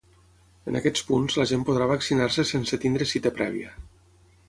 En aquests punts la gent podrà vaccinar-se sense tenir cita prèvia.